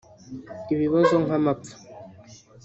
Ibibazo nkamapfa